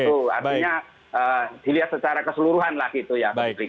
itu artinya dilihat secara keseluruhan lah gitu ya